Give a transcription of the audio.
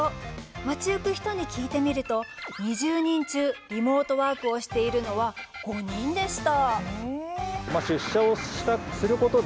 街ゆく人に聞いてみると２０人中、リモートワークをしているのは５人でした。